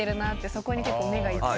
そこに結構目が。